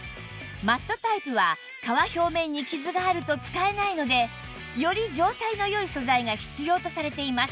マットタイプは革表面に傷があると使えないのでより状態の良い素材が必要とされています